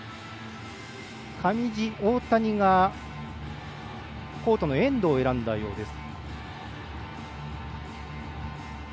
上地と大谷がコートのエンドを選んだようです。